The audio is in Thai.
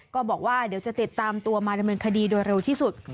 ก็บอกว่าเดี๋ยวจะติดตามตัวมาดำเนินคดีโดยเร็วที่สุด